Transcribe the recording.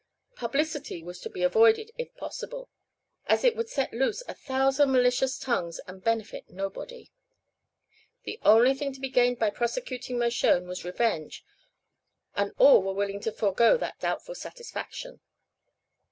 Publicity was to be avoided if possible, as it would set loose a thousand malicious tongues and benefit nobody. The only thing to be gained by prosecuting Mershone was revenge, and all were willing to forego that doubtful satisfaction.